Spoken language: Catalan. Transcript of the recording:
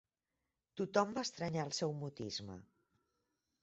Tothom va estranyar el seu mutisme.